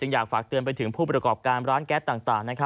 อยากฝากเตือนไปถึงผู้ประกอบการร้านแก๊สต่าง